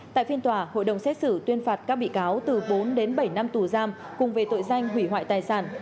tại phiên tòa hội đồng xét xử tuyên phạt các bị cáo từ bốn đến bảy năm tù giam cùng về tội danh hủy hoại tài sản